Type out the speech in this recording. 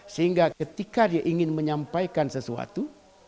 sehingga ketika dia ingin menyampaikan sesuatu